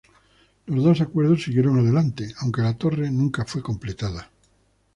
Los dos acuerdos siguieron adelante, aunque la torre nunca fue completada.